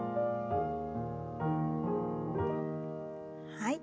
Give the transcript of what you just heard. はい。